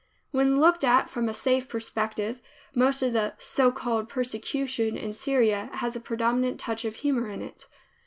When looked at from a safe perspective, most of the so called persecution in Syria has a predominant touch of humor in it.